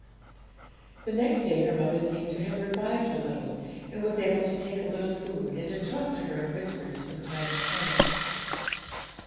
The next day her mother seemed to have revived a little, and was able to take a little food, and to talk to her in whispers from time to time.